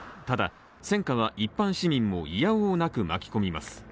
ただ、戦火は一般市民も否応なく巻き込みます。